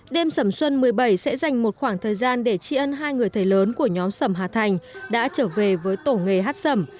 đêm sầm xuân một mươi bảy sẽ dành một khoảng thời gian để tri ân hai người thầy lớn của nhóm sầm hà thành đã trở về với tổ nghề hát sầm